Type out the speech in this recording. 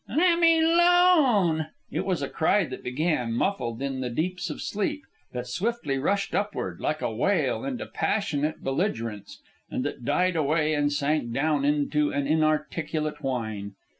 "Lemme 'lone!" It was a cry that began, muffled, in the deeps of sleep, that swiftly rushed upward, like a wail, into passionate belligerence, and that died away and sank down into an inarticulate whine.